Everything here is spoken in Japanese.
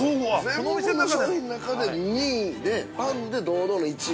◆全部の商品の中で、２位でパンで堂々の１位。